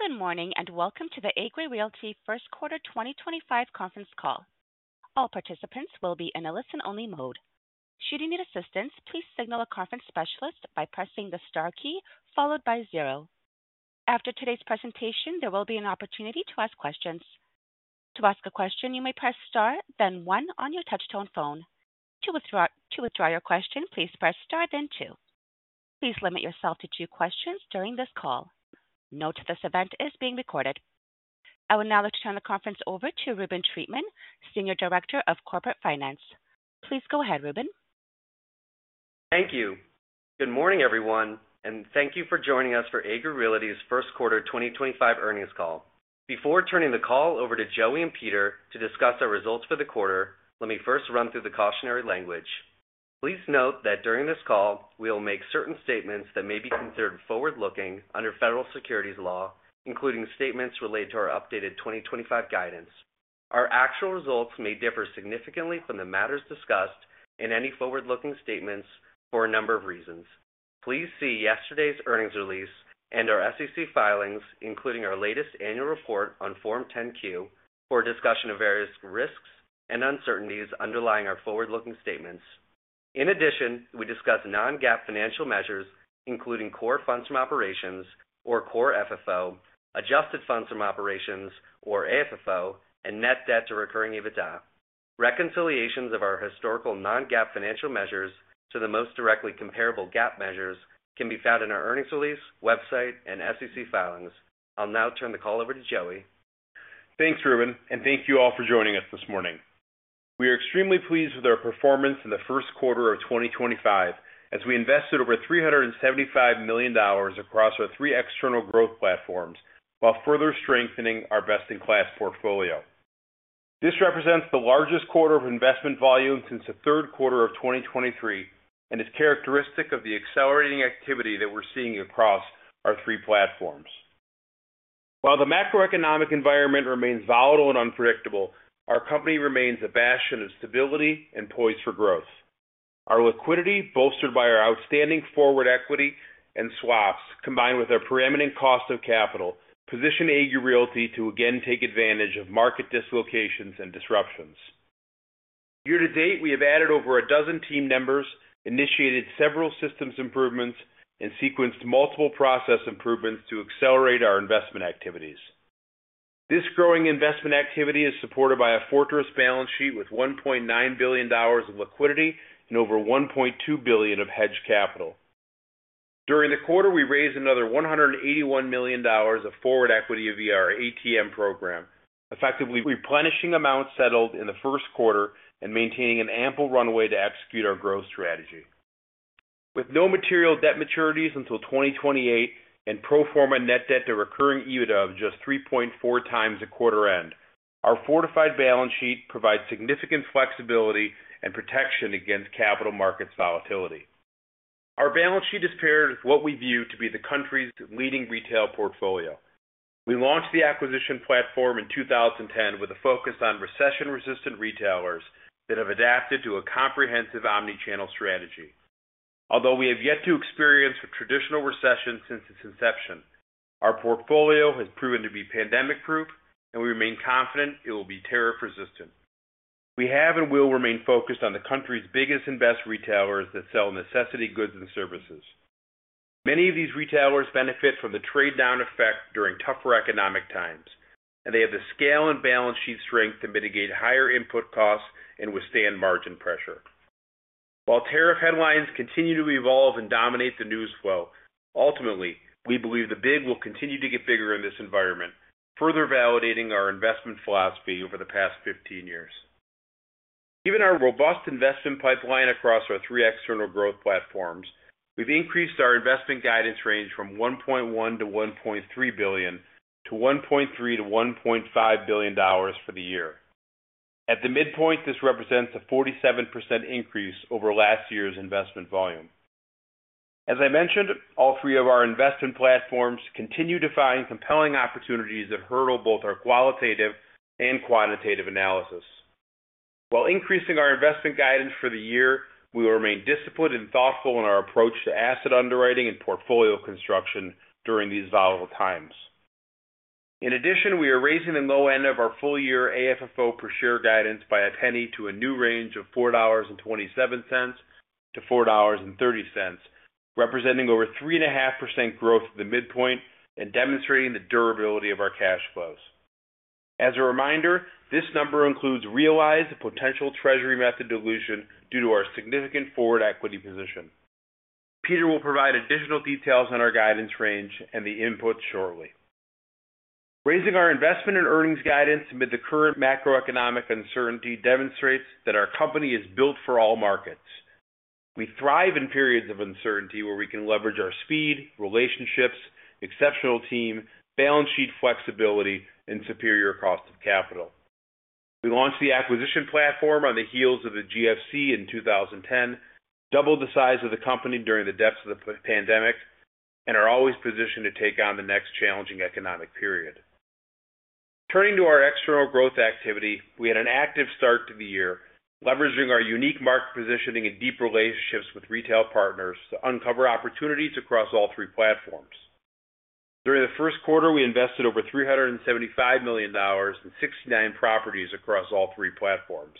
Good morning and welcome to the Agree Realty first quarter 2025 conference call. All participants will be in a listen-only mode. Should you need assistance, please signal a conference specialist by pressing the star key followed by zero. After today's presentation, there will be an opportunity to ask questions. To ask a question, you may press star, then one on your touch-tone phone. To withdraw your question, please press star, then two. Please limit yourself to two questions during this call. Note this event is being recorded. I would now like to turn the conference over to Reuben Treatman, Senior Director of Corporate Finance. Please go ahead, Reuben. Thank you. Good morning, everyone, and thank you for joining us for Agree Realty's first quarter 2025 earnings call. Before turning the call over to Joey and Peter to discuss our results for the quarter, let me first run through the cautionary language. Please note that during this call, we will make certain statements that may be considered forward-looking under federal securities law, including statements related to our updated 2025 guidance. Our actual results may differ significantly from the matters discussed in any forward-looking statements for a number of reasons. Please see yesterday's earnings release and our SEC filings, including our latest annual report on Form 10-Q, for discussion of various risks and uncertainties underlying our forward-looking statements. In addition, we discuss non-GAAP financial measures, including core funds from operations, or core FFO, adjusted funds from operations, or AFFO, and net debt to recurring EBITDA. Reconciliations of our historical non-GAAP financial measures to the most directly comparable GAAP measures can be found in our earnings release, website, and SEC filings. I'll now turn the call over to Joey. Thanks, Reuben, and thank you all for joining us this morning. We are extremely pleased with our performance in the first quarter of 2025 as we invested over $375 million across our three external growth platforms while further strengthening our best-in-class portfolio. This represents the largest quarter of investment volume since the third quarter of 2023 and is characteristic of the accelerating activity that we're seeing across our three platforms. While the macroeconomic environment remains volatile and unpredictable, our company remains a bastion of stability and poised for growth. Our liquidity, bolstered by our outstanding forward equity and swaps, combined with our preeminent cost of capital, position Agree Realty to again take advantage of market dislocations and disruptions. Year to date, we have added over a dozen team members, initiated several systems improvements, and sequenced multiple process improvements to accelerate our investment activities. This growing investment activity is supported by a fortress balance sheet with $1.9 billion of liquidity and over $1.2 billion of hedge capital. During the quarter, we raised another $181 million of forward equity via our ATM program, effectively replenishing amounts settled in the first quarter and maintaining an ample runway to execute our growth strategy. With no material debt maturities until 2028 and pro forma net debt to recurring EBITDA of just 3.4x the quarter end, our fortified balance sheet provides significant flexibility and protection against capital markets volatility. Our balance sheet is paired with what we view to be the country's leading retail portfolio. We launched the acquisition platform in 2010 with a focus on recession-resistant retailers that have adapted to a comprehensive omnichannel strategy. Although we have yet to experience a traditional recession since its inception, our portfolio has proven to be pandemic-proof, and we remain confident it will be tariff-resistant. We have and will remain focused on the country's biggest and best retailers that sell necessity goods and services. Many of these retailers benefit from the trade-down effect during tougher economic times, and they have the scale and balance sheet strength to mitigate higher input costs and withstand margin pressure. While tariff headlines continue to evolve and dominate the news flow, ultimately, we believe the big will continue to get bigger in this environment, further validating our investment philosophy over the past 15 years. Given our robust investment pipeline across our three external growth platforms, we've increased our investment guidance range from $1.1 billion-$1.3 billion to $1.3 billion-$1.5 billion for the year. At the midpoint, this represents a 47% increase over last year's investment volume. As I mentioned, all three of our investment platforms continue to find compelling opportunities that hurdle both our qualitative and quantitative analysis. While increasing our investment guidance for the year, we will remain disciplined and thoughtful in our approach to asset underwriting and portfolio construction during these volatile times. In addition, we are raising the low end of our full-year AFFO per share guidance by a penny to a new range of $4.27-$4.30, representing over 3.5% growth at the midpoint and demonstrating the durability of our cash flows. As a reminder, this number includes realized the potential treasury method dilution due to our significant forward equity position. Peter will provide additional details on our guidance range and the input shortly. Raising our investment and earnings guidance amid the current macroeconomic uncertainty demonstrates that our company is built for all markets. We thrive in periods of uncertainty where we can leverage our speed, relationships, exceptional team, balance sheet flexibility, and superior cost of capital. We launched the acquisition platform on the heels of the GFC in 2010, doubled the size of the company during the depths of the pandemic, and are always positioned to take on the next challenging economic period. Turning to our external growth activity, we had an active start to the year, leveraging our unique market positioning and deep relationships with retail partners to uncover opportunities across all three platforms. During the first quarter, we invested over $375 million in 69 properties across all three platforms.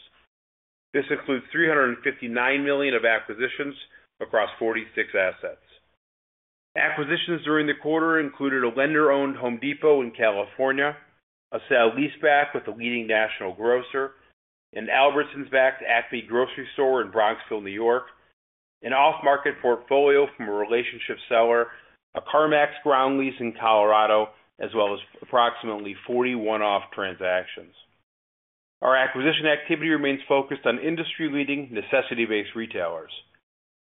This includes $359 million of acquisitions across 46 assets. Acquisitions during the quarter included a lender-owned Home Depot in California, a sale-leaseback with a leading national grocer, an Albertsons-backed Acme grocery store in Bronxville, New York, an off-market portfolio from a relationship seller, a CarMax ground lease in Colorado, as well as approximately 40 one-off transactions. Our acquisition activity remains focused on industry-leading necessity-based retailers.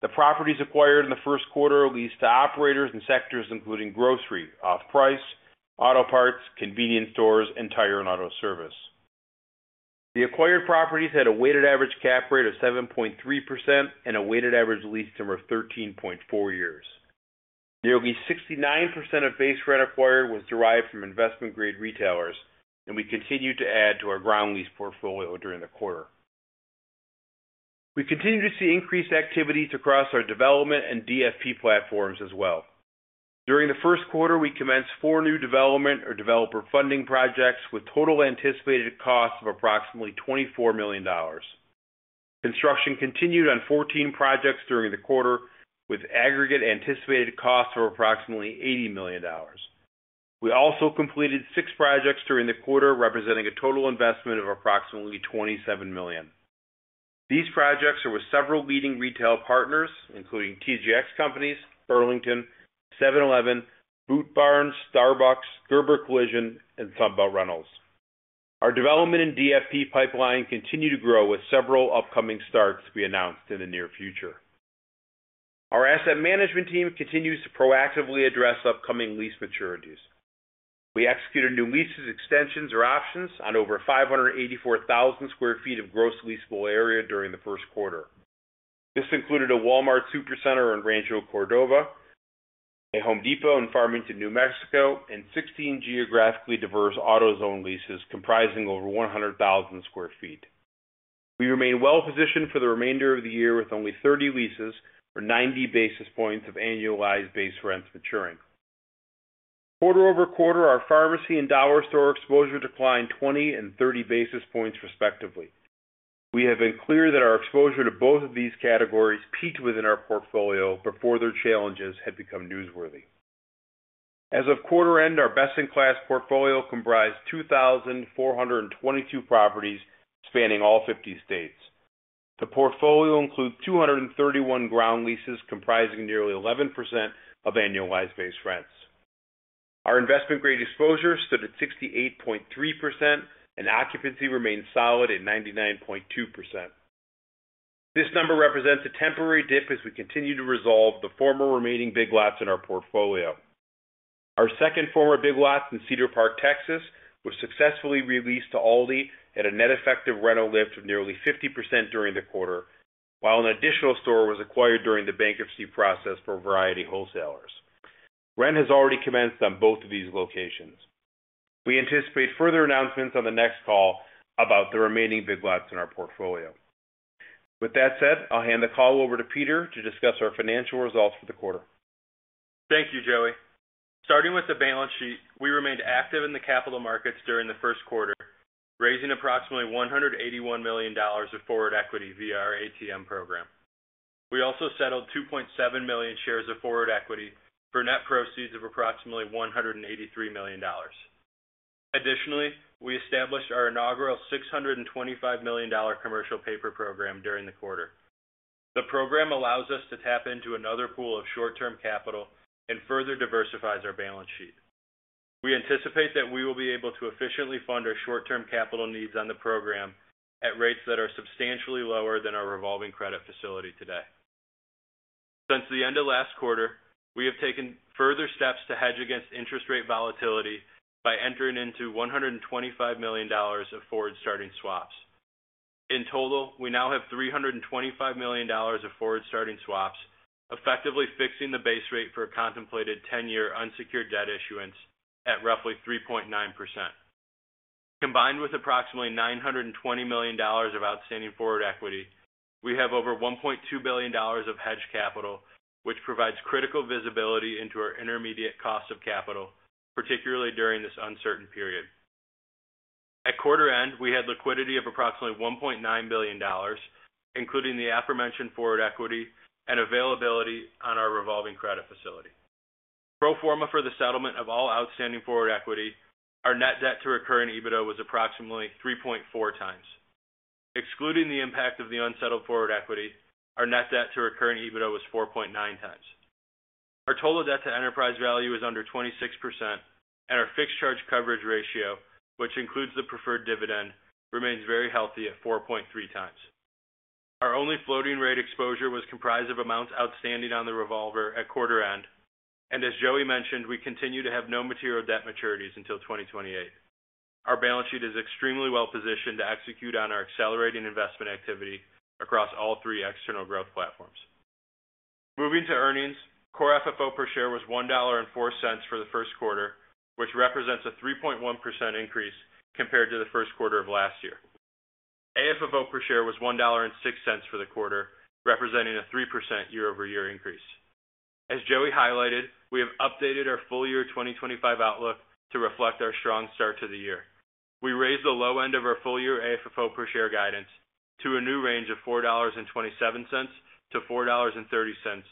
The properties acquired in the first quarter leased to operators in sectors including grocery, off-price, auto parts, convenience stores, and tire and auto service. The acquired properties had a weighted average cap rate of 7.3% and a weighted average lease term of 13.4 years. Nearly 69% of base rent acquired was derived from investment-grade retailers, and we continued to add to our ground lease portfolio during the quarter. We continue to see increased activities across our development and DFP platforms as well. During the first quarter, we commenced four new development or developer funding projects with total anticipated costs of approximately $24 million. Construction continued on 14 projects during the quarter with aggregate anticipated costs of approximately $80 million. We also completed six projects during the quarter representing a total investment of approximately $27 million. These projects are with several leading retail partners, including TJX Companies, Burlington, 7-Eleven, Boot Barn, Starbucks, Gerber Collision, and Sunbelt Rentals. Our development and DFP pipeline continue to grow with several upcoming starts to be announced in the near future. Our asset management team continues to proactively address upcoming lease maturities. We executed new leases, extensions, or options on over 584,000 sq ft of gross leasable area during the first quarter. This included a Walmart Supercenter on Rancho Cordova, a Home Depot in Farmington, New Mexico, and 16 geographically diverse AutoZone leases comprising over 100,000 sq ft. We remain well-positioned for the remainder of the year with only 30 leases or 90 basis points of annualized base rents maturing. Quarter-over-quarter, our pharmacy and dollar store exposure declined 20 and 30 basis points respectively. We have been clear that our exposure to both of these categories peaked within our portfolio before their challenges had become newsworthy. As of quarter end, our best-in-class portfolio comprised 2,422 properties spanning all 50 states. The portfolio includes 231 ground leases comprising nearly 11% of annualized base rents. Our investment-grade exposure stood at 68.3%, and occupancy remained solid at 99.2%. This number represents a temporary dip as we continue to resolve the former remaining Big Lots in our portfolio. Our second former Big Lots in Cedar Park, Texas, was successfully re-leased to Aldi at a net effective rental lift of nearly 50% during the quarter, while an additional store was acquired during the bankruptcy process for Variety Wholesalers. Rent has already commenced on both of these locations. We anticipate further announcements on the next call about the remaining Big Lots in our portfolio. With that said, I'll hand the call over to Peter to discuss our financial results for the quarter. Thank you, Joey. Starting with the balance sheet, we remained active in the capital markets during the first quarter, raising approximately $181 million of forward equity via our ATM program. We also settled 2.7 million shares of forward equity for net proceeds of approximately $183 million. Additionally, we established our inaugural $625 million commercial paper program during the quarter. The program allows us to tap into another pool of short-term capital and further diversifies our balance sheet. We anticipate that we will be able to efficiently fund our short-term capital needs on the program at rates that are substantially lower than our revolving credit facility today. Since the end of last quarter, we have taken further steps to hedge against interest rate volatility by entering into $125 million of forward-starting swaps. In total, we now have $325 million of forward-starting swaps, effectively fixing the base rate for a contemplated 10-year unsecured debt issuance at roughly 3.9%. Combined with approximately $920 million of outstanding forward equity, we have over $1.2 billion of hedge capital, which provides critical visibility into our intermediate cost of capital, particularly during this uncertain period. At quarter end, we had liquidity of approximately $1.9 billion, including the aforementioned forward equity and availability on our revolving credit facility. Pro forma for the settlement of all outstanding forward equity, our net debt to recurring EBITDA was approximately 3.4x. Excluding the impact of the unsettled forward equity, our net debt to recurring EBITDA was 4.9x. Our total debt to enterprise value is under 26%, and our fixed charge coverage ratio, which includes the preferred dividend, remains very healthy at 4.3x. Our only floating rate exposure was comprised of amounts outstanding on the revolver at quarter end, and as Joey mentioned, we continue to have no material debt maturities until 2028. Our balance sheet is extremely well-positioned to execute on our accelerating investment activity across all three external growth platforms. Moving to earnings, core FFO per share was $1.04 for the first quarter, which represents a 3.1% increase compared to the first quarter of last year. AFFO per share was $1.06 for the quarter, representing a 3% year-over-year increase. As Joey highlighted, we have updated our full-year 2025 outlook to reflect our strong start to the year. We raised the low end of our full-year AFFO per share guidance to a new range of $4.27-$4.30,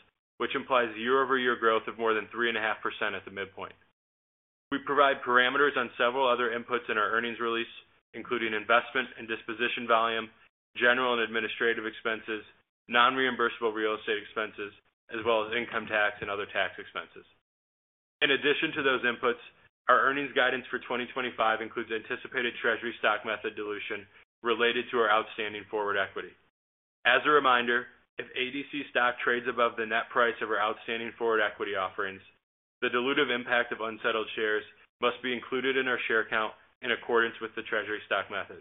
which implies year-over-year growth of more than 3.5% at the midpoint. We provide parameters on several other inputs in our earnings release, including investment and disposition volume, general and administrative expenses, non-reimbursable real estate expenses, as well as income tax and other tax expenses. In addition to those inputs, our earnings guidance for 2025 includes anticipated treasury stock method dilution related to our outstanding forward equity. As a reminder, if ADC stock trades above the net price of our outstanding forward equity offerings, the dilutive impact of unsettled shares must be included in our share count in accordance with the treasury stock method.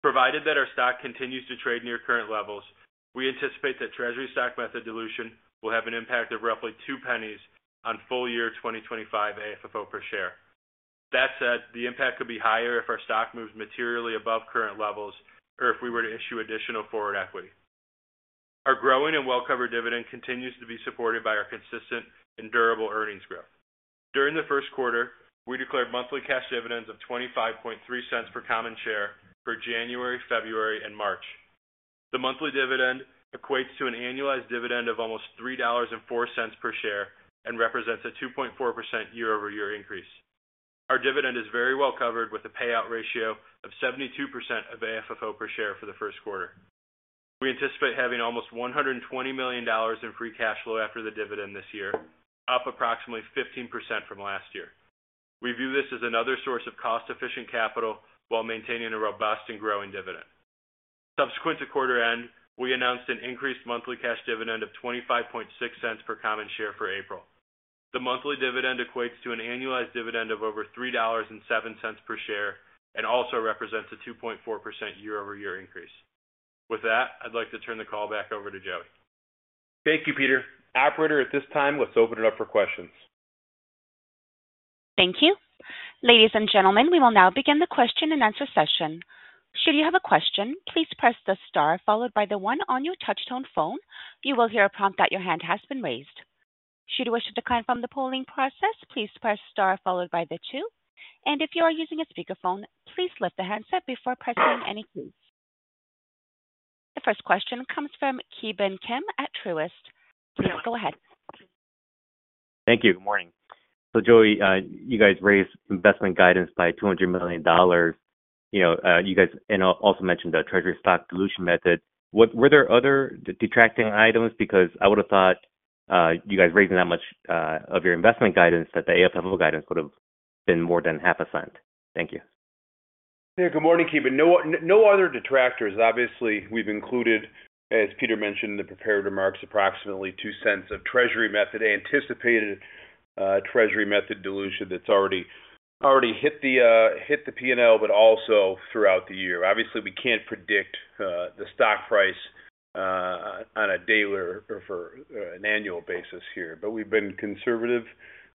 Provided that our stock continues to trade near current levels, we anticipate that treasury stock method dilution will have an impact of roughly two pennies on full-year 2025 AFFO per share. That said, the impact could be higher if our stock moves materially above current levels or if we were to issue additional forward equity. Our growing and well-covered dividend continues to be supported by our consistent and durable earnings growth. During the first quarter, we declared monthly cash dividends of $0.253 per common share for January, February, and March. The monthly dividend equates to an annualized dividend of almost $3.04 per share and represents a 2.4% year-over-year increase. Our dividend is very well covered with a payout ratio of 72% of AFFO per share for the first quarter. We anticipate having almost $120 million in free cash flow after the dividend this year, up approximately 15% from last year. We view this as another source of cost-efficient capital while maintaining a robust and growing dividend. Subsequent to quarter end, we announced an increased monthly cash dividend of $0.256 per common share for April. The monthly dividend equates to an annualized dividend of over $3.07 per share and also represents a 2.4% year-over-year increase. With that, I'd like to turn the call back over to Joey. Thank you, Peter. Operator, at this time, let's open it up for questions. Thank you. Ladies and gentlemen, we will now begin the question and answer session. Should you have a question, please press the star followed by the one on your touch-tone phone. You will hear a prompt that your hand has been raised. Should you wish to decline from the polling process, please press star followed by the two. If you are using a speakerphone, please lift the handset before pressing any keys. The first question comes from Ki Bin Kim at Truist. Go ahead. Thank you. Good morning. Joey, you guys raised investment guidance by $200 million. You guys also mentioned the treasury stock dilution method. Were there other detracting items? Because I would have thought you guys raising that much of your investment guidance that the AFFO guidance would have been more than half a cent. Thank you. Yeah, good morning, Ki Bin. No other detractors. Obviously, we've included, as Peter mentioned in the prepared remarks, approximately $0.02 of treasury method, anticipated treasury method dilution that's already hit the P&L, but also throughout the year. Obviously, we can't predict the stock price on a daily or for an annual basis here, but we've been conservative,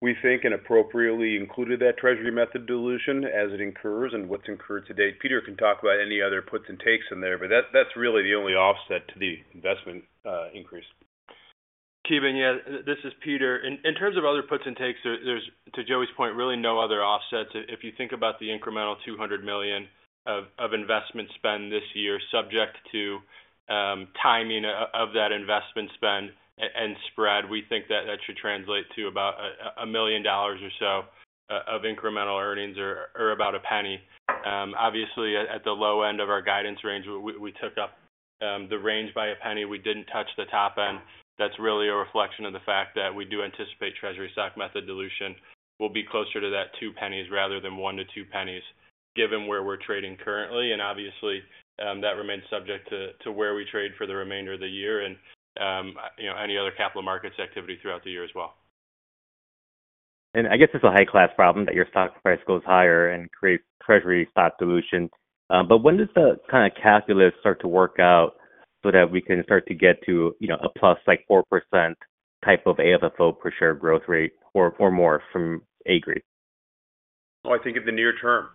we think, and appropriately included that treasury method dilution as it incurs and what's incurred to date. Peter can talk about any other puts and takes in there, but that's really the only offset to the investment increase. Ki Bin, yeah, this is Peter. In terms of other puts and takes, to Joey's point, really no other offsets. If you think about the incremental $200 million of investment spend this year, subject to timing of that investment spend and spread, we think that that should translate to about $1 million or so of incremental earnings or about a penny. Obviously, at the low end of our guidance range, we took up the range by a penny. We did not touch the top end. That is really a reflection of the fact that we do anticipate treasury stock method dilution will be closer to that two pennies rather than one to two pennies, given where we are trading currently. Obviously, that remains subject to where we trade for the remainder of the year and any other capital markets activity throughout the year as well. I guess it's a high-class problem that your stock price goes higher and creates treasury stock dilution. When does the kind of calculus start to work out so that we can start to get to a plus like 4% type of AFFO per share growth rate or more from Agree? I think in the near term,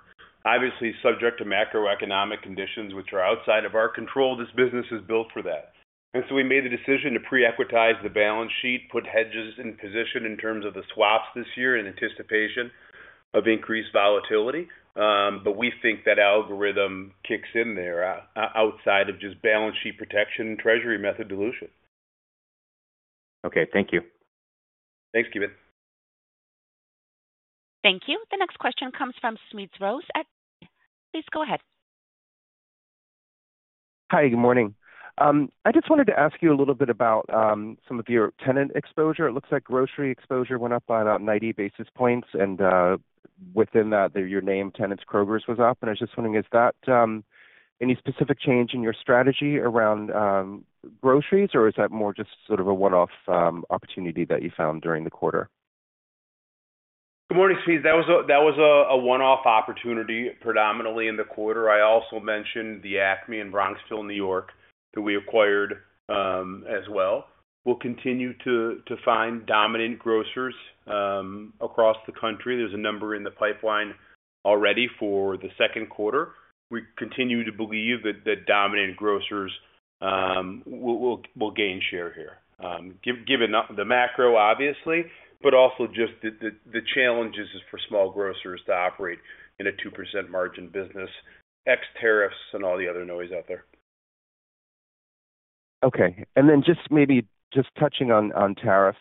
obviously, subject to macroeconomic conditions, which are outside of our control, this business is built for that. We made the decision to pre-equitize the balance sheet, put hedges in position in terms of the swaps this year in anticipation of increased volatility. We think that algorithm kicks in there outside of just balance sheet protection and treasury method dilution. Okay, thank you. Thanks, Ki Bin. Thank you. The next question comes from Smedes Rose. Please go ahead. Hi, good morning. I just wanted to ask you a little bit about some of your tenant exposure. It looks like grocery exposure went up by about 90 basis points. Within that, your name tenants Kroger was up. I was just wondering, is that any specific change in your strategy around groceries, or is that more just sort of a one-off opportunity that you found during the quarter? Good morning, Smedes. That was a one-off opportunity predominantly in the quarter. I also mentioned the Acme in Bronxville, New York, that we acquired as well. We'll continue to find dominant grocers across the country. There's a number in the pipeline already for the second quarter. We continue to believe that dominant grocers will gain share here, given the macro, obviously, but also just the challenges for small grocers to operate in a 2% margin business, ex tariffs and all the other noise out there. Okay. Maybe just touching on tariffs,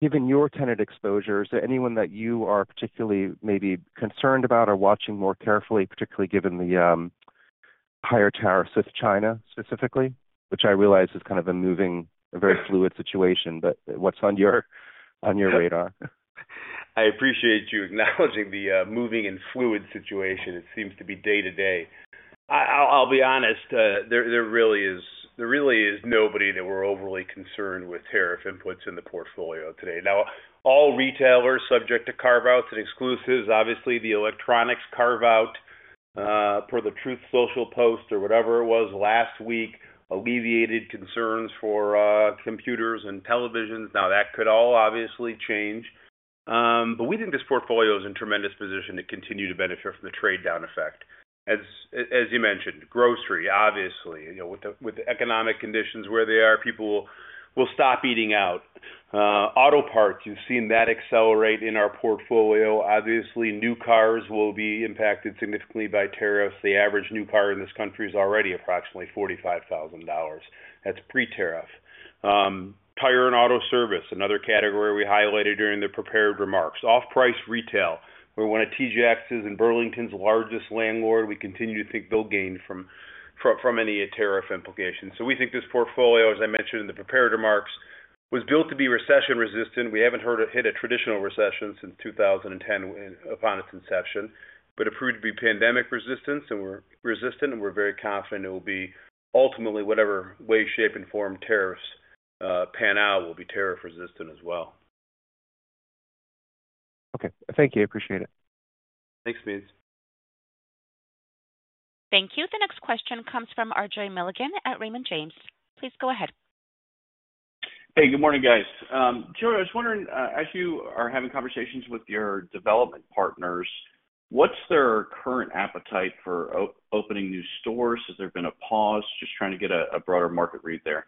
given your tenant exposure, is there anyone that you are particularly maybe concerned about or watching more carefully, particularly given the higher tariffs with China specifically, which I realize is kind of a moving, a very fluid situation, but what's on your radar? I appreciate you acknowledging the moving and fluid situation. It seems to be day to day. I'll be honest, there really is nobody that we're overly concerned with tariff inputs in the portfolio today. Now, all retailers subject to carve-outs and exclusives. Obviously, the electronics carve-out for the Truth Social post or whatever it was last week alleviated concerns for computers and televisions. That could all obviously change. We think this portfolio is in tremendous position to continue to benefit from the trade-down effect. As you mentioned, grocery, obviously, with the economic conditions where they are, people will stop eating out. Auto parts, you've seen that accelerate in our portfolio. Obviously, new cars will be impacted significantly by tariffs. The average new car in this country is already approximately $45,000. That's pre-tariff. Tire and auto service, another category we highlighted during the prepared remarks. Off-price retail, where when a TJX is in Burlington's largest landlord, we continue to think they'll gain from any tariff implications. We think this portfolio, as I mentioned in the prepared remarks, was built to be recession resistant. We haven't heard it hit a traditional recession since 2010 upon its inception, but it proved to be pandemic resistant, and we're very confident it will be ultimately whatever way, shape, and form tariffs pan out will be tariff resistant as well. Okay. Thank you. Appreciate it. Thanks, Smedes. Thank you. The next question comes from RJ Milligan at Raymond James. Please go ahead. Hey, good morning, guys. Joey, I was wondering, as you are having conversations with your development partners, what's their current appetite for opening new stores? Has there been a pause? Just trying to get a broader market read there.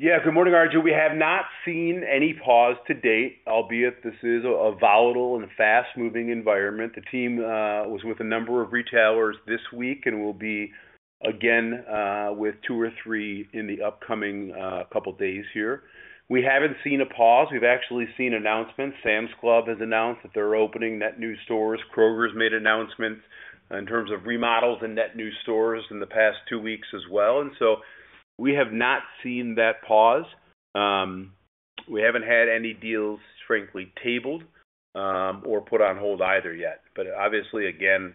Yeah, good morning, RJ. We have not seen any pause to date, albeit this is a volatile and fast-moving environment. The team was with a number of retailers this week and will be again with two or three in the upcoming couple of days here. We haven't seen a pause. We've actually seen announcements. Sam's Club has announced that they're opening net new stores. Kroger's made announcements in terms of remodels and net new stores in the past two weeks as well. We have not seen that pause. We haven't had any deals, frankly, tabled or put on hold either yet. Obviously, again,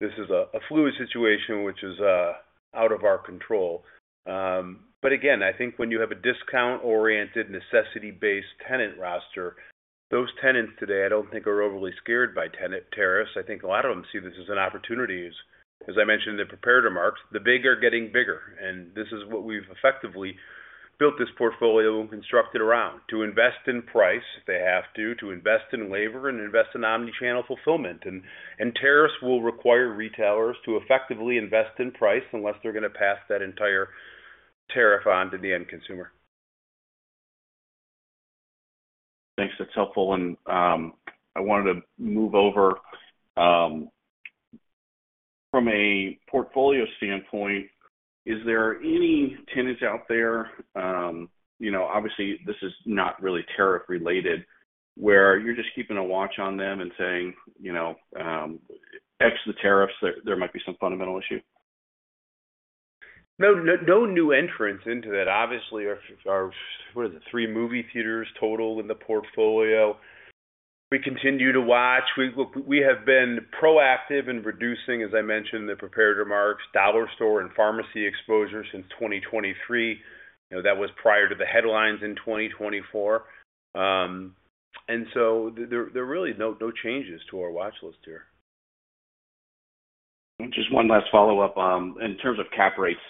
this is a fluid situation, which is out of our control. Again, I think when you have a discount-oriented, necessity-based tenant roster, those tenants today, I don't think, are overly scared by tenant tariffs. I think a lot of them see this as an opportunity. As I mentioned in the prepared remarks, the big are getting bigger. This is what we've effectively built this portfolio and constructed around, to invest in price if they have to, to invest in labor and invest in omnichannel fulfillment. Tariffs will require retailers to effectively invest in price unless they're going to pass that entire tariff on to the end consumer. Thanks. That's helpful. I wanted to move over from a portfolio standpoint. Is there any tenants out there? Obviously, this is not really tariff-related where you're just keeping a watch on them and saying, "X the tariffs," there might be some fundamental issue? No new entrants into that. Obviously, what are the three movie theaters total in the portfolio? We continue to watch. We have been proactive in reducing, as I mentioned, the prepared remarks, dollar store and pharmacy exposure since 2023. That was prior to the headlines in 2024. There are really no changes to our watch list here. Just one last follow-up. In terms of cap rates,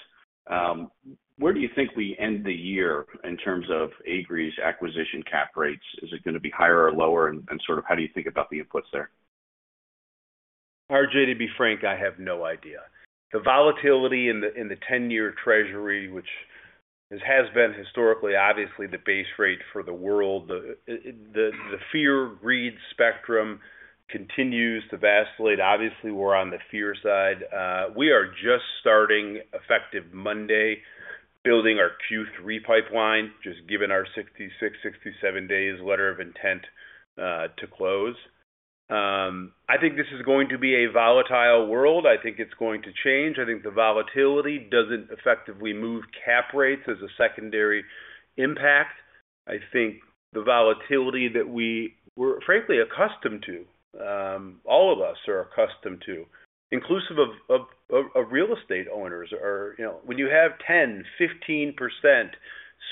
where do you think we end the year in terms of Agree's acquisition cap rates? Is it going to be higher or lower? And sort of how do you think about the inputs there? RJ, to be frank, I have no idea. The volatility in the 10-year Treasury, which has been historically, obviously, the base rate for the world, the fear-greed spectrum continues to vacillate. Obviously, we're on the fear side. We are just starting effective Monday, building our Q3 pipeline, just given our 66 days-67 days letter of intent to close. I think this is going to be a volatile world. I think it's going to change. I think the volatility doesn't effectively move cap rates as a secondary impact. I think the volatility that we were, frankly, accustomed to, all of us are accustomed to, inclusive of real estate owners, or when you have 10%-15%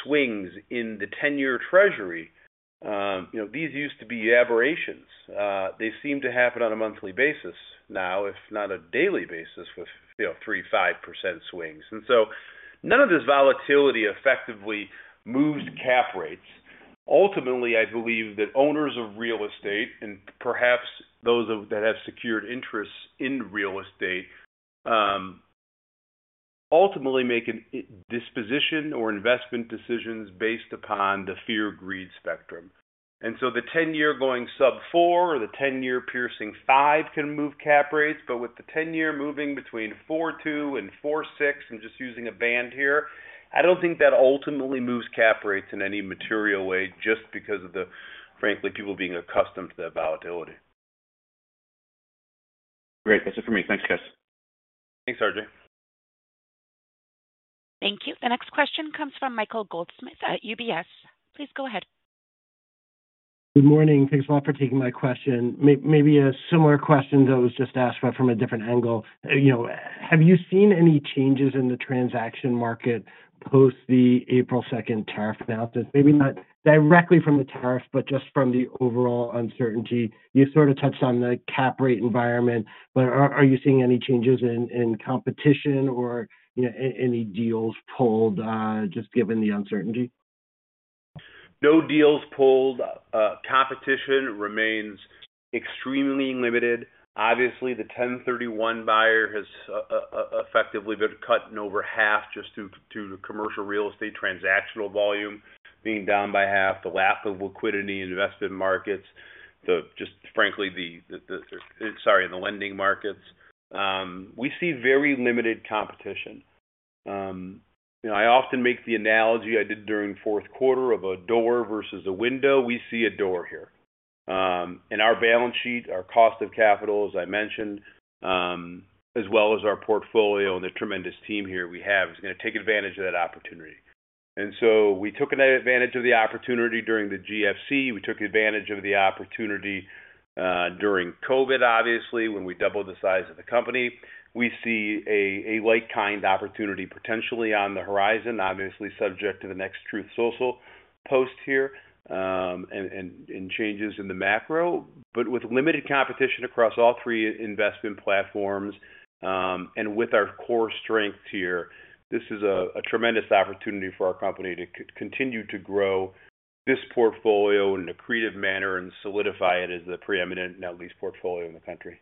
swings in the 10-year Treasury, these used to be aberrations. They seem to happen on a monthly basis now, if not a daily basis with 3%-5% swings. None of this volatility effectively moves cap rates. Ultimately, I believe that owners of real estate and perhaps those that have secured interests in real estate ultimately make disposition or investment decisions based upon the fear-greed spectrum. The 10-year going sub 4 or the 10-year piercing 5 can move cap rates. With the 10-year moving between 4.2 and 4.6 and just using a band here, I do not think that ultimately moves cap rates in any material way just because of the, frankly, people being accustomed to that volatility. Great. That is it for me. Thanks, guys. Thanks, RJ. Thank you. The next question comes from Michael Goldsmith at UBS. Please go ahead. Good morning. Thanks a lot for taking my question. Maybe a similar question that was just asked, but from a different angle. Have you seen any changes in the transaction market post the April 2nd tariff announcement? Maybe not directly from the tariff, but just from the overall uncertainty. You sort of touched on the cap rate environment, but are you seeing any changes in competition or any deals pulled just given the uncertainty? No deals pulled. Competition remains extremely limited. Obviously, the 1031 buyer has effectively been cut in over half just due to commercial real estate transactional volume being down by half, the lack of liquidity in investment markets, just frankly, in the lending markets. We see very limited competition. I often make the analogy I did during fourth quarter of a door versus a window. We see a door here. Our balance sheet, our cost of capital, as I mentioned, as well as our portfolio and the tremendous team here we have, is going to take advantage of that opportunity. We took advantage of the opportunity during the GFC. We took advantage of the opportunity during COVID, obviously, when we doubled the size of the company. We see a like-kind opportunity potentially on the horizon, obviously subject to the next Truth Social post here and changes in the macro. With limited competition across all three investment platforms and with our core strengths here, this is a tremendous opportunity for our company to continue to grow this portfolio in a creative manner and solidify it as the preeminent and at least portfolio in the country.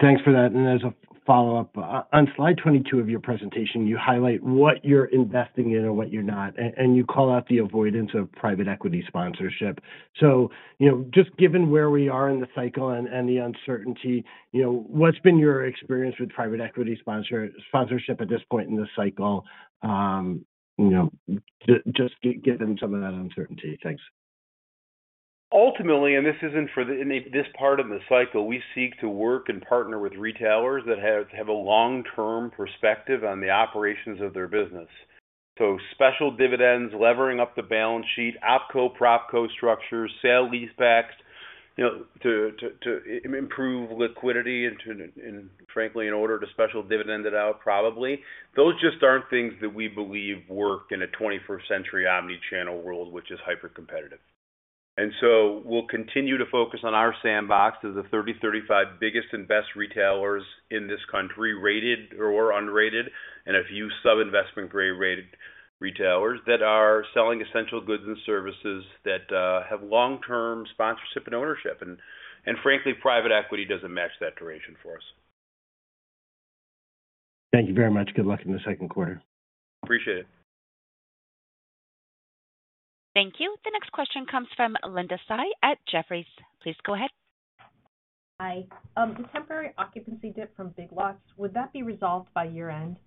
Thanks for that. As a follow-up, on slide 22 of your presentation, you highlight what you're investing in or what you're not, and you call out the avoidance of private equity sponsorship. Just given where we are in the cycle and the uncertainty, what's been your experience with private equity sponsorship at this point in the cycle, just given some of that uncertainty? Thanks. Ultimately, and this isn't for this part of the cycle, we seek to work and partner with retailers that have a long-term perspective on the operations of their business. Special dividends, levering up the balance sheet, OpCo-PropCo structures, sale-leasebacks to improve liquidity and, frankly, in order to special dividend it out, probably. Those just aren't things that we believe work in a 21st-century omnichannel world, which is hyper-competitive. We'll continue to focus on our sandbox as the 30-35 biggest and best retailers in this country, rated or unrated, and a few sub-investment grade rated retailers that are selling essential goods and services that have long-term sponsorship and ownership. Frankly, private equity doesn't match that duration for us. Thank you very much. Good luck in the second quarter. Appreciate it. Thank you. The next question comes from Linda Tsai at Jefferies. Please go ahead. Hi. The temporary occupancy dip from Big Lots, would that be resolved by year-end?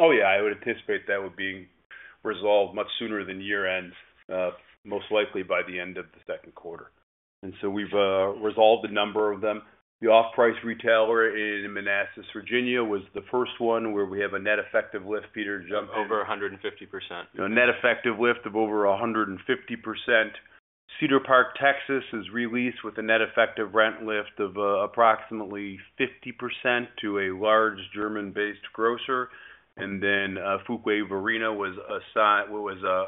Oh, yeah. I would anticipate that would be resolved much sooner than year-end, most likely by the end of the second quarter. We've resolved a number of them. The off-price retailer in Manassas, Virginia, was the first one where we have a net effective lift, Peter, to jump over 150%. A net effective lift of over 150%. Cedar Park, Texas, is released with a net effective rent lift of approximately 50% to a large German-based grocer. Then Fuquay-Varina was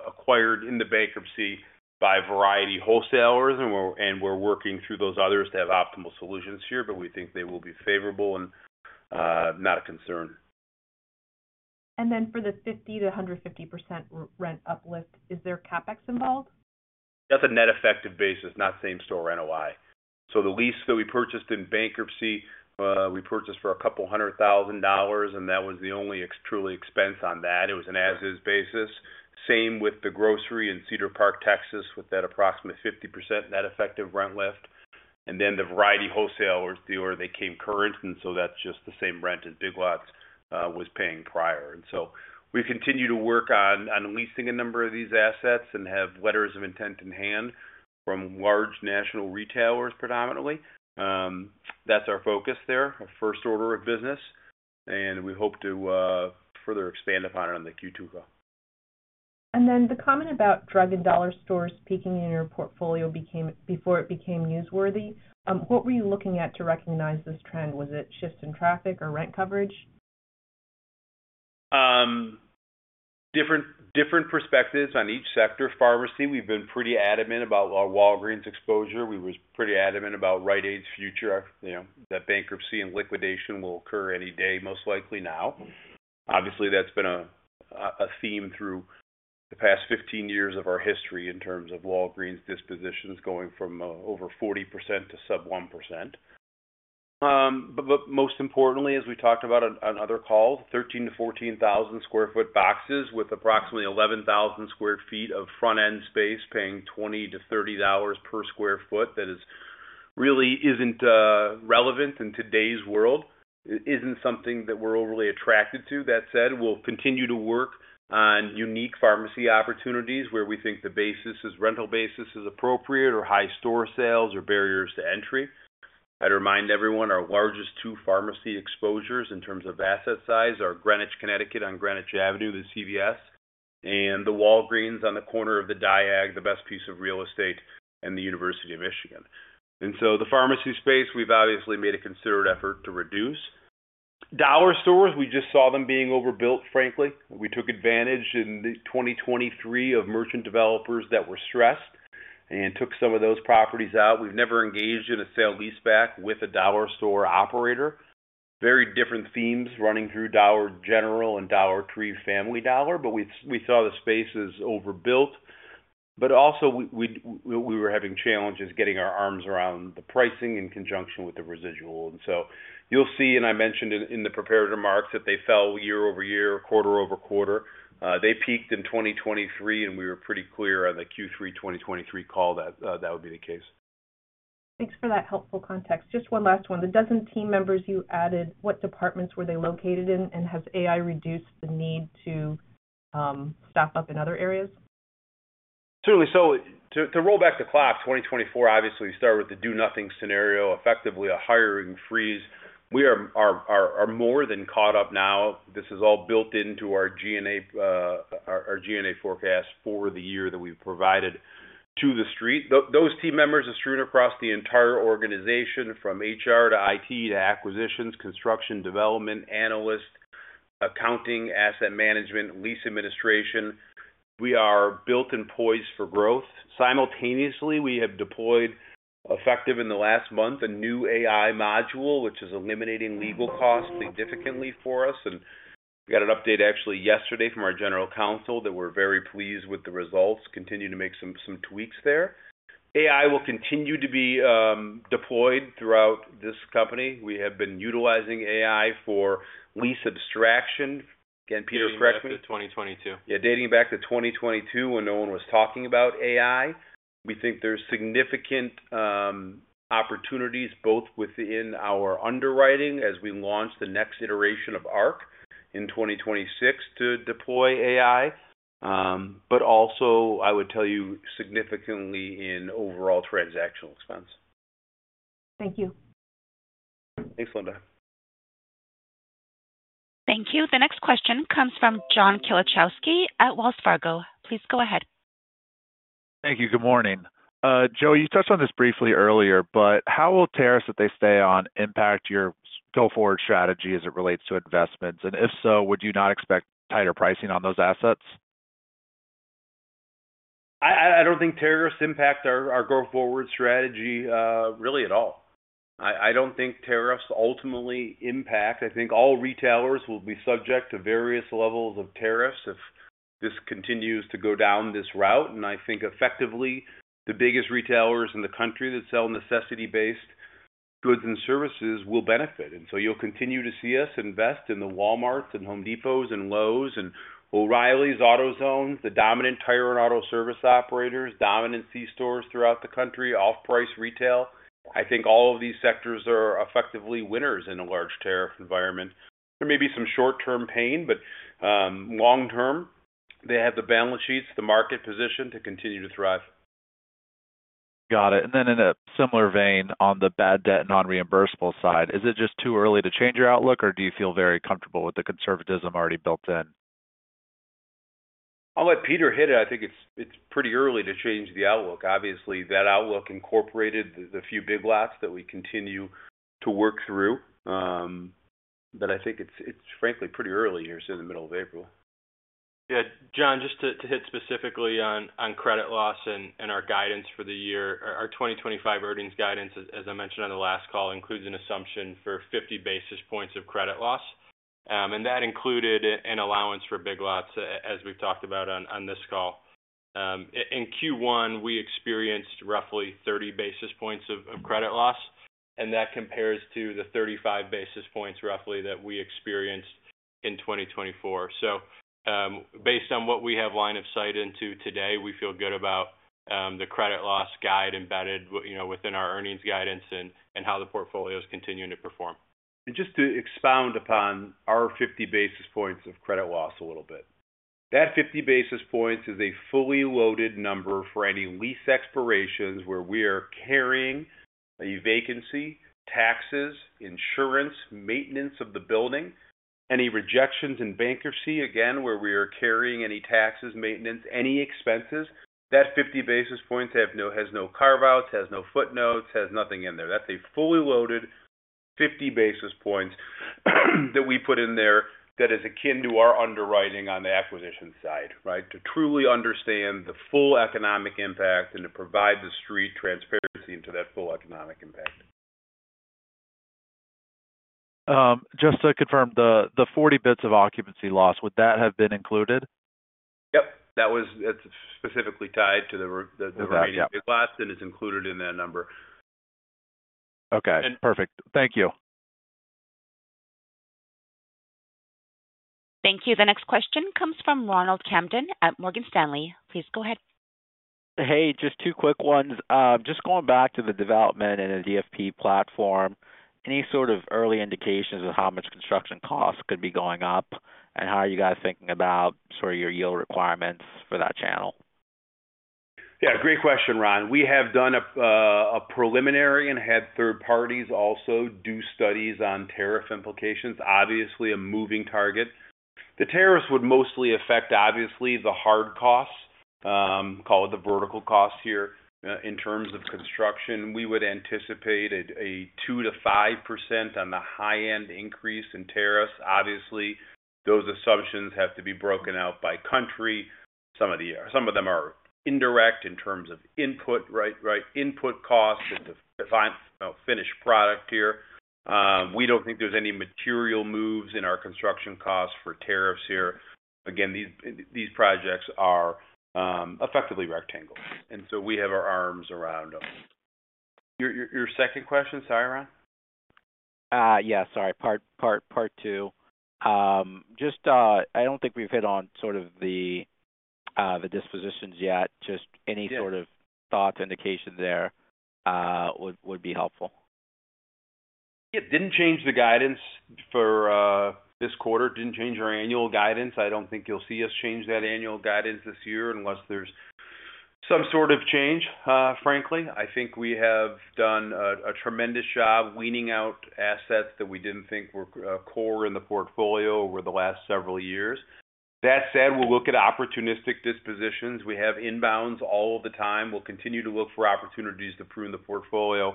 acquired in the bankruptcy by Variety Wholesalers, and we're working through those others to have optimal solutions here, but we think they will be favorable and not a concern. For the 50%-150% rent uplift, is there CapEx involved? That's a net effective basis, not same-store NOI. The lease that we purchased in bankruptcy, we purchased for a couple hundred thousand dollars, and that was the only truly expense on that. It was an as-is basis. Same with the grocery in Cedar Park, Texas, with that approximate 50% net effective rent lift. The Variety Wholesalers, they came current, and so that's just the same rent as Big Lots was paying prior. We continue to work on leasing a number of these assets and have letters of intent in hand from large national retailers predominantly. That's our focus there, our first order of business. We hope to further expand upon it on the Q2 call. The comment about drug and dollar stores peaking in your portfolio before it became newsworthy, what were you looking at to recognize this trend? Was it shifts in traffic or rent coverage? Different perspectives on each sector. Pharmacy, we've been pretty adamant about Walgreens exposure. We were pretty adamant about Rite Aid's future, that bankruptcy and liquidation will occur any day, most likely now. Obviously, that's been a theme through the past 15 years of our history in terms of Walgreens dispositions going from over 40% to sub 1%. Most importantly, as we talked about on other calls, 13,000-14,000 sq ft boxes with approximately 11,000 sq ft of front-end space paying $20-$30 per sq ft that really isn't relevant in today's world. It isn't something that we're overly attracted to. That said, we'll continue to work on unique pharmacy opportunities where we think the basis is rental basis is appropriate or high store sales or barriers to entry. I'd remind everyone, our largest two pharmacy exposures in terms of asset size are Greenwich, Connecticut, on Greenwich Avenue, the CVS, and the Walgreens on the corner of the Diag, the best piece of real estate, and the University of Michigan. The pharmacy space, we've obviously made a considered effort to reduce. Dollar stores, we just saw them being overbuilt, frankly. We took advantage in 2023 of merchant developers that were stressed and took some of those properties out. We've never engaged in a sale-leaseback with a dollar store operator. Very different themes running through Dollar General and Dollar Tree Family Dollar, but we saw the space is overbuilt. We were having challenges getting our arms around the pricing in conjunction with the residual. You'll see, and I mentioned in the prepared remarks that they fell year-over-year, quarter-over-quarter. They peaked in 2023, and we were pretty clear on the Q3 2023 call that that would be the case. Thanks for that helpful context. Just one last one. The dozen team members you added, what departments were they located in, and has AI reduced the need to staff up in other areas? Certainly. To roll back the clock, 2024, obviously, we started with the do-nothing scenario, effectively a hiring freeze. We are more than caught up now. This is all built into our G&A forecast for the year that we've provided to the street. Those team members are strewn across the entire organization from HR to IT to acquisitions, construction, development, analyst, accounting, asset management, lease administration. We are built and poised for growth. Simultaneously, we have deployed, effective in the last month, a new AI module, which is eliminating legal costs significantly for us. We got an update actually yesterday from our general counsel that we're very pleased with the results, continue to make some tweaks there. AI will continue to be deployed throughout this company. We have been utilizing AI for lease abstraction. Again, Peter, correct me? Dating back to 2022. Yeah, dating back to 2022 when no one was talking about AI. We think there's significant opportunities both within our underwriting as we launch the next iteration of ARC in 2026 to deploy AI, but also, I would tell you, significantly in overall transactional expense. Thank you. Thanks, Linda. Thank you. The next question comes from John Kilichowski at Wells Fargo. Please go ahead. Thank you. Good morning. Joey, you touched on this briefly earlier, but how will tariffs if they stay on impact your go-forward strategy as it relates to investments? And if so, would you not expect tighter pricing on those assets? I don't think tariffs impact our go-forward strategy really at all. I don't think tariffs ultimately impact. I think all retailers will be subject to various levels of tariffs if this continues to go down this route. I think, effectively, the biggest retailers in the country that sell necessity-based goods and services will benefit. You'll continue to see us invest in the Walmarts and Home Depots and Lowe's and O'Reilly Auto Parts, AutoZone, the dominant tire and auto service operators, dominant C stores throughout the country, off-price retail. I think all of these sectors are effectively winners in a large tariff environment. There may be some short-term pain, but long-term, they have the balance sheets, the market position to continue to thrive. Got it. In a similar vein, on the bad debt and non-reimbursable side, is it just too early to change your outlook, or do you feel very comfortable with the conservatism already built in? I'll let Peter hit it. I think it's pretty early to change the outlook. Obviously, that outlook incorporated the few Big Lots that we continue to work through. I think it's, frankly, pretty early here in the middle of April. Yeah. John, just to hit specifically on credit loss and our guidance for the year, our 2025 earnings guidance, as I mentioned on the last call, includes an assumption for 50 basis points of credit loss. That included an allowance for Big Lots, as we've talked about on this call. In Q1, we experienced roughly 30 basis points of credit loss, and that compares to the 35 basis points roughly that we experienced in 2024. Based on what we have line of sight into today, we feel good about the credit loss guide embedded within our earnings guidance and how the portfolio is continuing to perform. Just to expound upon our 50 basis points of credit loss a little bit. That 50 basis points is a fully loaded number for any lease expirations where we are carrying a vacancy, taxes, insurance, maintenance of the building, any rejections in bankruptcy, again, where we are carrying any taxes, maintenance, any expenses. That 50 basis points has no carve-outs, has no footnotes, has nothing in there. That is a fully loaded 50 basis points that we put in there that is akin to our underwriting on the acquisition side, right, to truly understand the full economic impact and to provide the street transparency into that full economic impact. Just to confirm, the 40 basis points of occupancy loss, would that have been included? Yep. That's specifically tied to the remaining Big Lots and is included in that number. Okay. Perfect. Thank you. Thank you. The next question comes from Ronald Kamdem at Morgan Stanley. Please go ahead. Hey, just two quick ones. Just going back to the development and the DFP platform, any sort of early indications of how much construction costs could be going up and how are you guys thinking about sort of your yield requirements for that channel? Yeah. Great question, Ronald. We have done a preliminary and had third parties also do studies on tariff implications. Obviously, a moving target. The tariffs would mostly affect, obviously, the hard costs, call it the vertical costs here in terms of construction. We would anticipate a 2%-5% on the high-end increase in tariffs. Obviously, those assumptions have to be broken out by country. Some of them are indirect in terms of input costs at the final finished product here. We do not think there is any material moves in our construction costs for tariffs here. Again, these projects are effectively rectangles. We have our arms around them. Your second question, sorry, Ronald? Yeah. Sorry. Part two. Just I don't think we've hit on sort of the dispositions yet. Just any sort of thought, indication there would be helpful. Yeah. Didn't change the guidance for this quarter. Didn't change our annual guidance. I don't think you'll see us change that annual guidance this year unless there's some sort of change, frankly. I think we have done a tremendous job weaning out assets that we didn't think were core in the portfolio over the last several years. That said, we'll look at opportunistic dispositions. We have inbounds all of the time. We'll continue to look for opportunities to prune the portfolio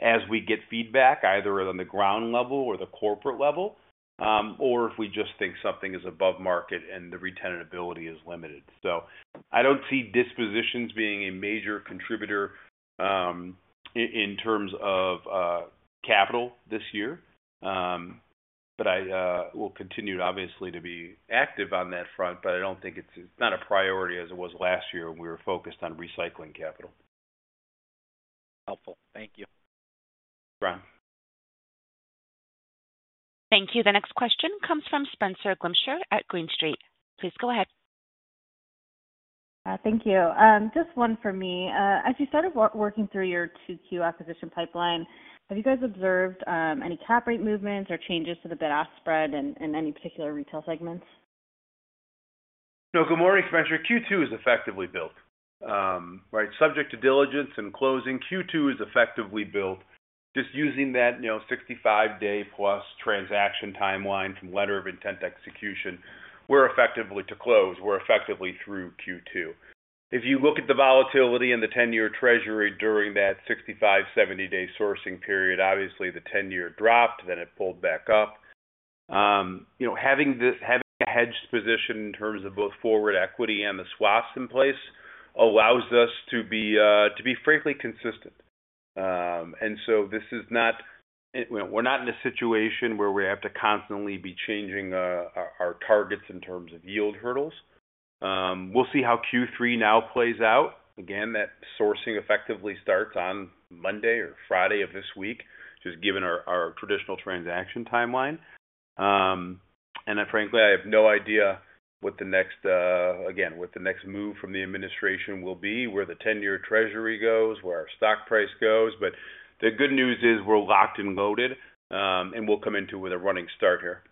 as we get feedback, either on the ground level or the corporate level, or if we just think something is above market and the retentability is limited. I don't see dispositions being a major contributor in terms of capital this year. We will continue, obviously, to be active on that front, but I do not think it is a priority as it was last year when we were focused on recycling capital. Helpful. Thank you. Ronald. Thank you. The next question comes from Spenser Allaway at Green Street. Please go ahead. Thank you. Just one for me. As you started working through your Q2 acquisition pipeline, have you guys observed any cap rate movements or changes to the bid-ask spread in any particular retail segments? No. Good morning, Spenser. Q2 is effectively built, right? Subject to diligence and closing, Q2 is effectively built. Just using that 65-day plus transaction timeline from letter of intent execution, we're effectively to close. We're effectively through Q2. If you look at the volatility in the 10-year Treasury during that 65 day-70 day sourcing period, obviously, the 10-year dropped, then it pulled back up. Having a hedged position in terms of both forward equity and the swaps in place allows us to be, frankly, consistent. This is not, we're not in a situation where we have to constantly be changing our targets in terms of yield hurdles. We'll see how Q3 now plays out. Again, that sourcing effectively starts on Monday or Friday of this week, just given our traditional transaction timeline. Frankly, I have no idea what the next, again, what the next move from the administration will be, where the 10-year Treasury goes, where our stock price goes. The good news is we're locked and loaded, and we'll come into it with a running start here.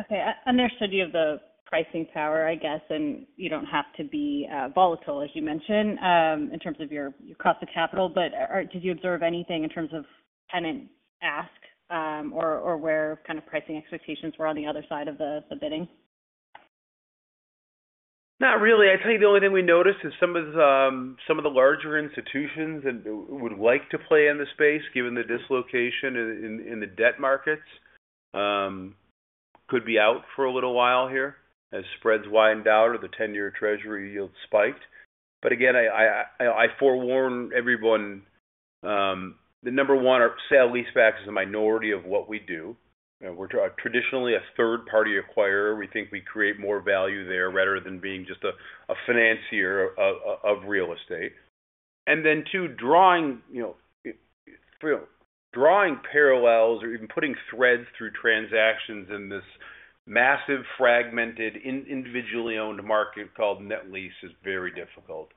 Okay. Understood you have the pricing power, I guess, and you don't have to be volatile, as you mentioned, in terms of your cost of capital. Did you observe anything in terms of tenant ask or where kind of pricing expectations were on the other side of the bidding? Not really. I tell you, the only thing we noticed is some of the larger institutions that would like to play in the space, given the dislocation in the debt markets, could be out for a little while here as spreads widened out or the 10-year Treasury yield spiked. Again, I forewarn everyone. Number one, our sale-leaseback is a minority of what we do. We're traditionally a third-party acquirer. We think we create more value there rather than being just a financier of real estate. Number two, drawing parallels or even putting threads through transactions in this massive, fragmented, individually owned market called net lease is very difficult.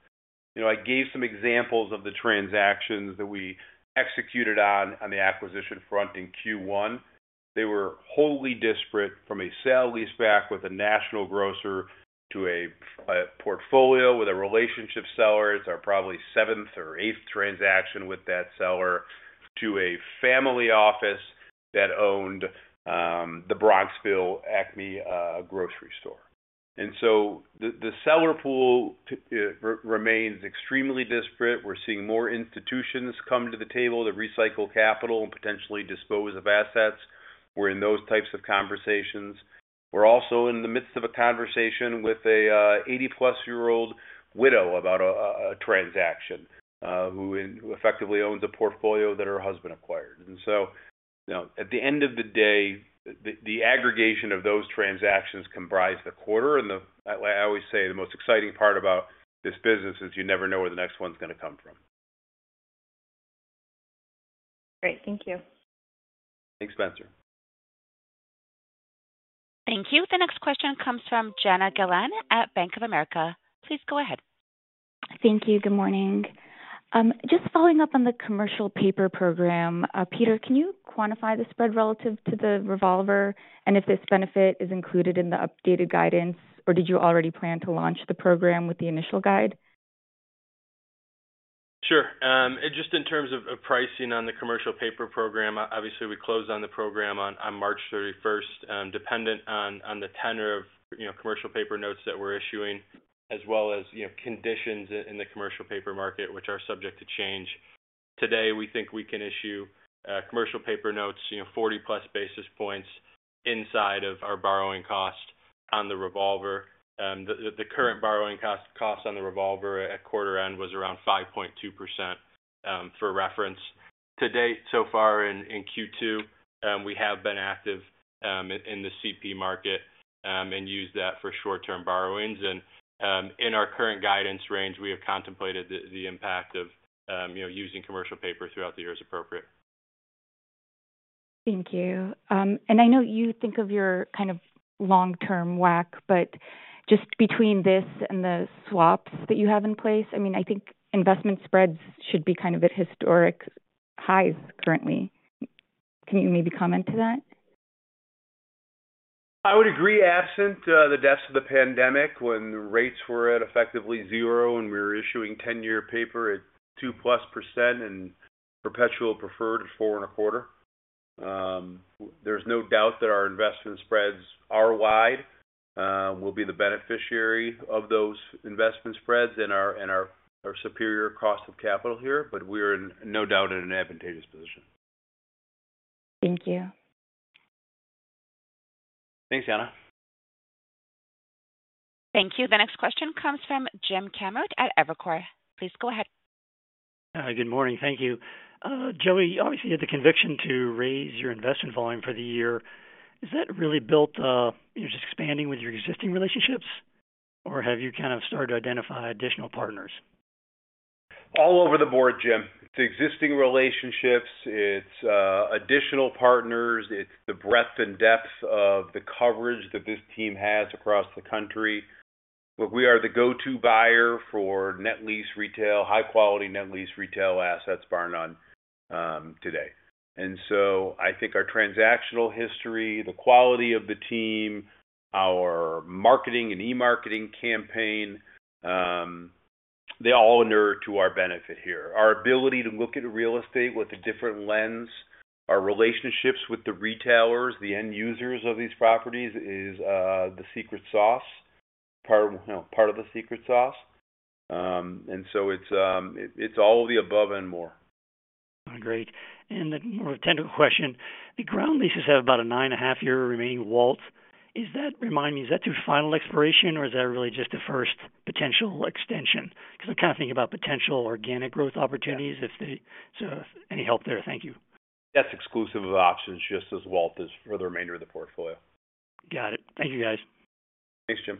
I gave some examples of the transactions that we executed on the acquisition front in Q1. They were wholly disparate from a sale-leaseback with a national grocer to a portfolio with a relationship seller. It's our probably seventh or eighth transaction with that seller to a family office that owned the Bronxville Acme grocery store. The seller pool remains extremely disparate. We're seeing more institutions come to the table to recycle capital and potentially dispose of assets. We're in those types of conversations. We're also in the midst of a conversation with an 80-plus-year-old widow about a transaction who effectively owns a portfolio that her husband acquired. At the end of the day, the aggregation of those transactions comprised the quarter. I always say the most exciting part about this business is you never know where the next one's going to come from. Great. Thank you. Thanks, Spenser. Thank you. The next question comes from Jana Galan at Bank of America. Please go ahead. Thank you. Good morning. Just following up on the commercial paper program, Peter, can you quantify the spread relative to the revolver and if this benefit is included in the updated guidance, or did you already plan to launch the program with the initial guide? Sure. Just in terms of pricing on the commercial paper program, obviously, we closed on the program on March 31st, dependent on the tenor of commercial paper notes that we're issuing, as well as conditions in the commercial paper market, which are subject to change. Today, we think we can issue commercial paper notes, 40-plus basis points inside of our borrowing cost on the revolver. The current borrowing cost on the revolver at quarter-end was around 5.2% for reference. To date, so far in Q2, we have been active in the CP market and use that for short-term borrowings. In our current guidance range, we have contemplated the impact of using commercial paper throughout the year as appropriate. Thank you. I know you think of your kind of long-term WACC, but just between this and the swaps that you have in place, I mean, I think investment spreads should be kind of at historic highs currently. Can you maybe comment to that? I would agree, absent the depths of the pandemic when rates were at effectively zero and we were issuing 10-year paper at +2 % and perpetual preferred at 4.25%. There's no doubt that our investment spreads are wide. We'll be the beneficiary of those investment spreads and our superior cost of capital here, but we are no doubt in an advantageous position. Thank you. Thanks, Jana. Thank you. The next question comes from Jim Kammert at Evercore. Please go ahead. Hi. Good morning. Thank you. Joey, obviously, you had the conviction to raise your investment volume for the year. Has that really built just expanding with your existing relationships, or have you kind of started to identify additional partners? All over the board, Jim. It's existing relationships. It's additional partners. It's the breadth and depth of the coverage that this team has across the country. Look, we are the go-to buyer for net lease retail, high-quality net lease retail assets bar none today. I think our transactional history, the quality of the team, our marketing and e-marketing campaign, they all inure to our benefit here. Our ability to look at real estate with a different lens, our relationships with the retailers, the end users of these properties is the secret sauce, part of the secret sauce. It's all of the above and more. Great. More of a technical question. The ground leases have about a nine-and-a-half-year remaining WALT. Remind me, is that through final expiration, or is that really just a first potential extension? Because I'm kind of thinking about potential organic growth opportunities if they so any help there? Thank you. That's exclusive of options just as WALT is for the remainder of the portfolio. Got it. Thank you, guys. Thanks, Jim.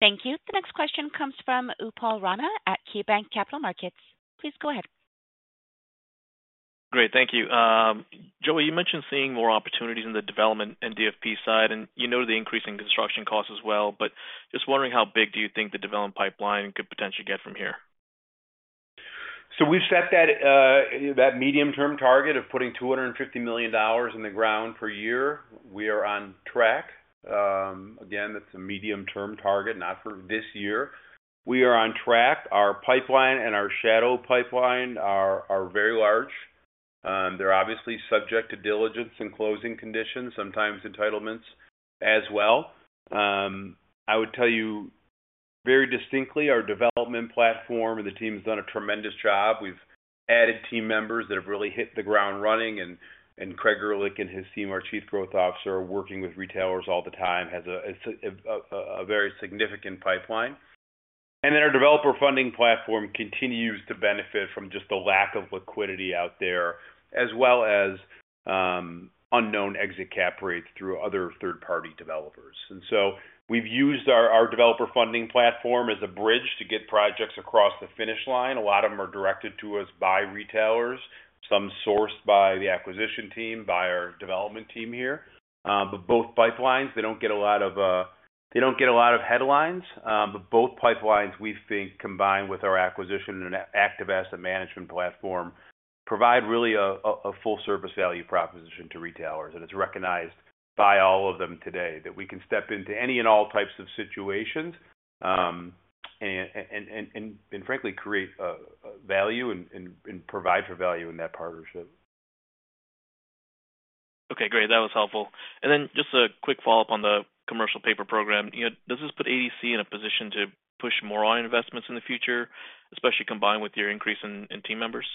Thank you. The next question comes from Upal Rana at KeyBanc Capital Markets. Please go ahead. Great. Thank you. Joey, you mentioned seeing more opportunities in the development and DFP side, and you know the increasing construction costs as well, but just wondering how big do you think the development pipeline could potentially get from here? We have set that medium-term target of putting $250 million in the ground per year. We are on track. Again, that is a medium-term target, not for this year. We are on track. Our pipeline and our shadow pipeline are very large. They are obviously subject to diligence and closing conditions, sometimes entitlements as well. I would tell you very distinctly, our development platform and the team has done a tremendous job. We have added team members that have really hit the ground running, and Craig Erlich and his team, our Chief Growth Officer, are working with retailers all the time, has a very significant pipeline. Then our developer funding platform continues to benefit from just the lack of liquidity out there, as well as unknown exit cap rates through other third-party developers. We have used our developer funding platform as a bridge to get projects across the finish line. A lot of them are directed to us by retailers, some sourced by the acquisition team, by our development team here. Both pipelines, they don't get a lot of headlines. Both pipelines, we think, combined with our acquisition and active asset management platform, provide really a full service value proposition to retailers. It is recognized by all of them today that we can step into any and all types of situations and, frankly, create value and provide for value in that partnership. Okay. Great. That was helpful. Just a quick follow-up on the commercial paper program. Does this put ADC in a position to push more on investments in the future, especially combined with your increase in team members?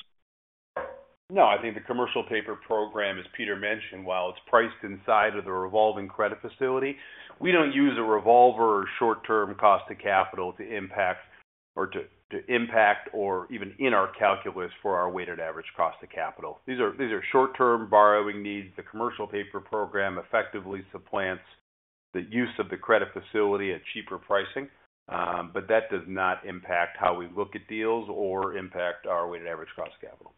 No. I think the commercial paper program, as Peter mentioned, while it's priced inside of the revolving credit facility, we don't use a revolver or short-term cost of capital to impact or even in our calculus for our weighted average cost of capital. These are short-term borrowing needs. The commercial paper program effectively supplants the use of the credit facility at cheaper pricing, but that does not impact how we look at deals or impact our weighted average cost of capital.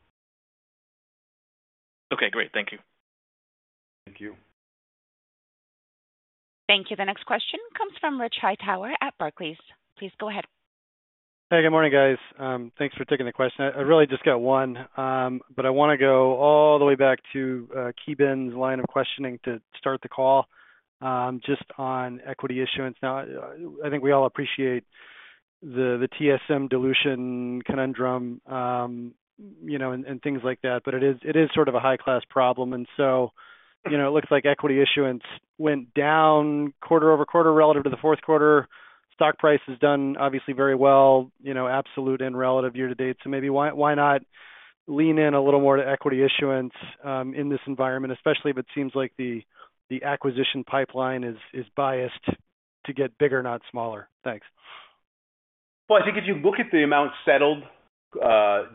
Okay. Great. Thank you. Thank you. Thank you. The next question comes from Richard Hightower at Barclays. Please go ahead. Hey. Good morning, guys. Thanks for taking the question. I really just got one, but I want to go all the way back to Ki Bin's line of questioning to start the call just on equity issuance. Now, I think we all appreciate the TSM dilution conundrum and things like that, but it is sort of a high-class problem. It looks like equity issuance went down quarter-over-quarter relative to the fourth quarter. Stock price has done, obviously, very well, absolute and relative year to date. Maybe why not lean in a little more to equity issuance in this environment, especially if it seems like the acquisition pipeline is biased to get bigger, not smaller? Thanks. I think if you look at the amount settled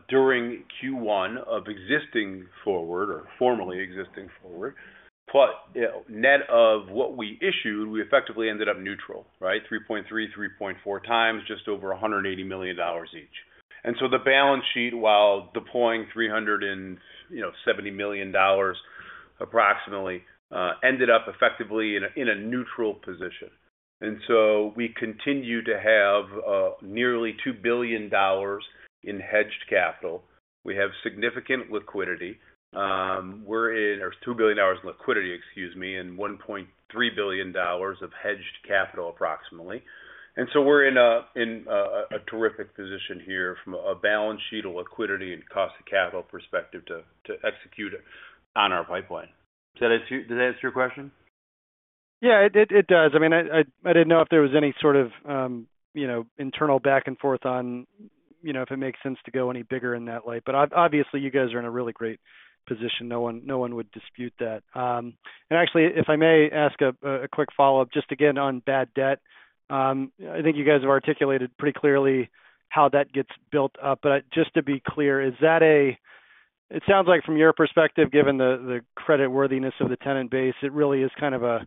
during Q1 of existing forward or formerly existing forward, net of what we issued, we effectively ended up neutral, right? 3.3x, 3.4x, just over $180 million each. The balance sheet, while deploying $370 million approximately, ended up effectively in a neutral position. We continue to have nearly $2 billion in hedged capital. We have significant liquidity. We are in or $2 billion in liquidity, excuse me, and $1.3 billion of hedged capital approximately. We are in a terrific position here from a balance sheet of liquidity and cost of capital perspective to execute it on our pipeline. Does that answer your question? Yeah, it does. I mean, I didn't know if there was any sort of internal back and forth on if it makes sense to go any bigger in that light. Obviously, you guys are in a really great position. No one would dispute that. Actually, if I may ask a quick follow-up, just again on bad debt, I think you guys have articulated pretty clearly how that gets built up. Just to be clear, is that a, it sounds like from your perspective, given the credit worthiness of the tenant base, it really is kind of a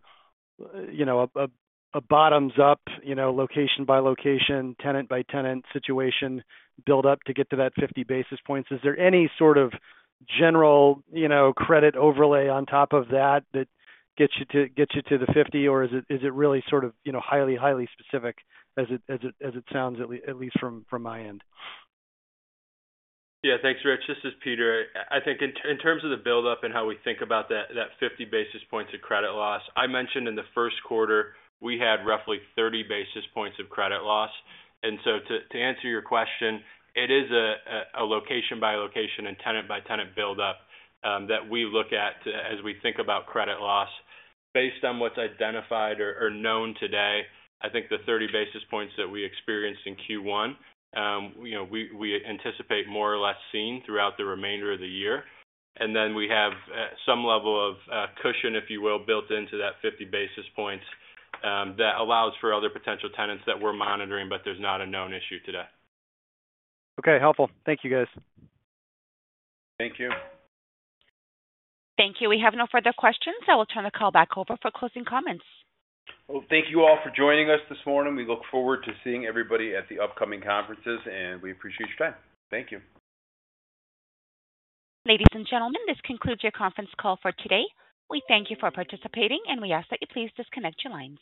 bottoms-up, location by location, tenant by tenant situation build-up to get to that 50 basis points. Is there any sort of general credit overlay on top of that that gets you to the 50, or is it really sort of highly, highly specific as it sounds, at least from my end? Yeah. Thanks, Richard. This is Peter. I think in terms of the build-up and how we think about that 50 basis points of credit loss, I mentioned in the first quarter, we had roughly 30 basis points of credit loss. To answer your question, it is a location by location and tenant by tenant build-up that we look at as we think about credit loss. Based on what's identified or known today, I think the 30 basis points that we experienced in Q1, we anticipate more or less seeing throughout the remainder of the year. We have some level of cushion, if you will, built into that 50 basis points that allows for other potential tenants that we're monitoring, but there's not a known issue today. Okay. Helpful. Thank you, guys. Thank you. Thank you. We have no further questions. I will turn the call back over for closing comments. Thank you all for joining us this morning. We look forward to seeing everybody at the upcoming conferences, and we appreciate your time. Thank you. Ladies and gentlemen, this concludes your conference call for today. We thank you for participating, and we ask that you please disconnect your lines.